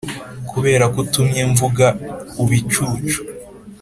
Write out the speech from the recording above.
kuberako utumye mvuga ubicucu